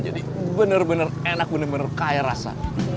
jadi benar benar enak benar benar kaya rasa